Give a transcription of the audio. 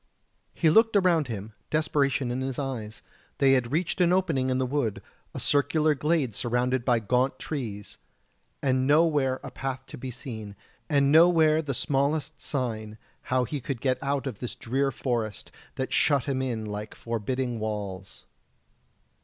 He looked around him, desperation in his eyes; they had reached an opening in the wood a circular glade surrounded by gaunt trees, and nowhere a path to be seen, and nowhere the smallest sign how he could get out of this drear forest, that shut him in like forbidding walls.